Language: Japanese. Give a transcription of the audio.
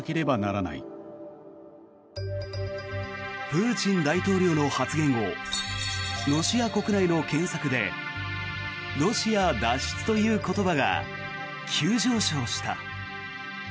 プーチン大統領の発言後ロシア国内の検索で「ロシア脱出」という言葉が急上昇した。